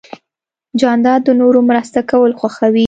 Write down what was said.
جانداد د نورو مرسته کول خوښوي.